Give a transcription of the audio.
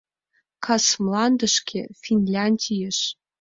Кас мландышке — Финляндийыш...